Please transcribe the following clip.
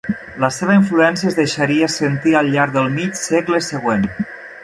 La seva influència es deixaria sentir al llarg del mig segle següent.